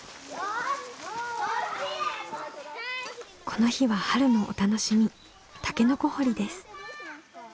この日は春のお楽しみタケノコ掘りです。